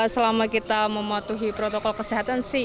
selama kita mematuhi protokol kesehatan sih